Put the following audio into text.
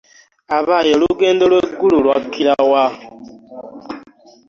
Abaaye, olugendo lw'e Gulu lwakkira wa?